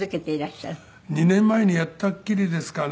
２年前にやったっきりですかね。